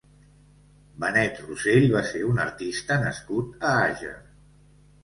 Benet Rossell va ser un artista nascut a Àger.